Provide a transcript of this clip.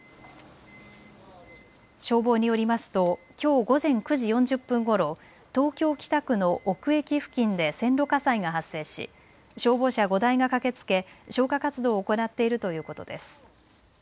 消防によりますときょう午前９時４０分ごろ、東京北区の尾久駅付近で線路火災が発生し消防車５台が駆けつけ消火活動を行っているということです。